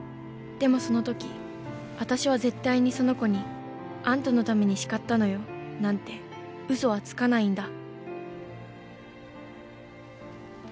でもその時あたしは絶対にその子に『あんたのために叱ったのよ』なんて嘘はつかないんだ」。